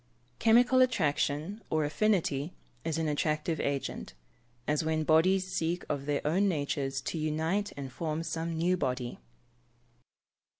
_ Chemical attraction, or affinity, is an attractive agent as when bodies seek of their own natures to unite and form some new body.